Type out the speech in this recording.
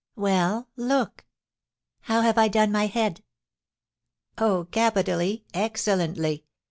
Well, look! How have I done my head?" "Oh, capitally, excellently!